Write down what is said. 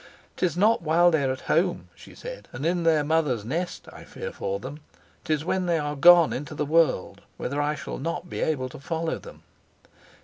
"'Tis not while they are at home," she said, "and in their mother's nest, I fear for them 'tis when they are gone into the world, whither I shall not be able to follow them.